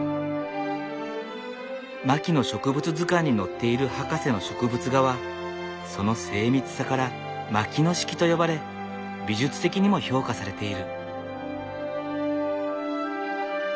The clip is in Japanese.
牧野植物図鑑に載っている博士の植物画はその精密さから牧野式と呼ばれ美術的にも評価されている。